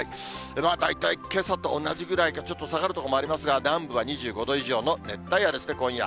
大体けさと同じぐらいか、ちょっと下がる所もありますが、南部は２５度以上の熱帯夜ですね、今夜。